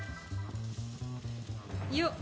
よっ。